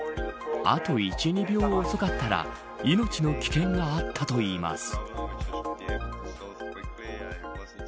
あと１、２秒遅かったら命の危険があったといいます。